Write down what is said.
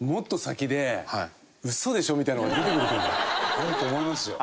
あると思いますよ。